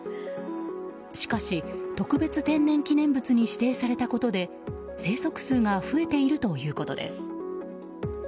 しかし、特別天然記念物に指定されたことで生息数が増えているということです。